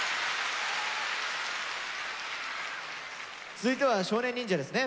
続いては少年忍者ですね。